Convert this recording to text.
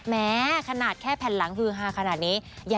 แม้ขนาดแค่แผ่นหลังฮือฮาขนาดนี้